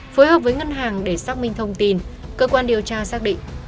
phối hợp với ngân hàng để xác minh thông tin cơ quan điều tra xác định